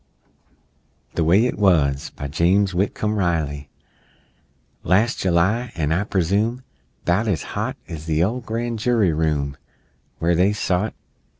THE WAY IT WUZ BY JAMES WHITCOMB RILEY Las' July an', I presume 'Bout as hot As the ole Gran' Jury room Where they sot!